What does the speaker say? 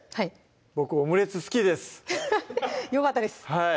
僕オムレツ好きですよかったです